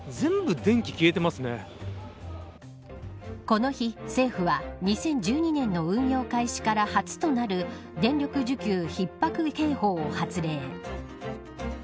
この日政府は、２０１２年の運用開始から初となる電力需給ひっ迫警報を発令。